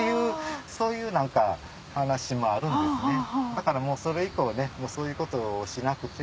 だからそれ以降そういうことをしなくて。